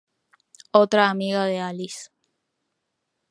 Otra amiga de Alice.